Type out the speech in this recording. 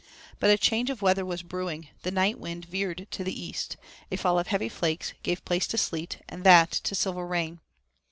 But a change of weather was brewing. The night wind veered to the east. A fall of heavy flakes gave place to sleet, and that to silver rain.